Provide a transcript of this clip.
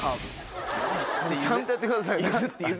ちゃんとやってください。